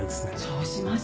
そうします。